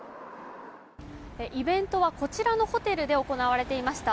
イベントは、こちらのホテルで行われていました。